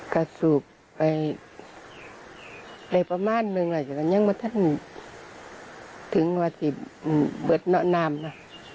ก็สูบไปได้ประมาณหนึ่งแล้วฉันยังว่าท่านถึงว่าที่เบิดเหนาะนามล่ะ